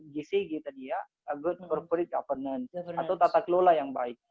gcg tadi ya good corporate governance atau tata kelola yang baik